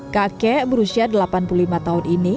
kakek berusia delapan puluh lima tahun ini